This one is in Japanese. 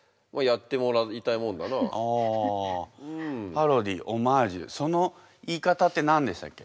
パロディーオマージュその言い方って何でしたっけ？